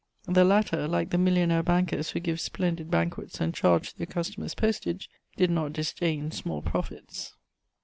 The latter, like the millionaire bankers who give splendid banquets and charge their customers postage, did not disdain small profits.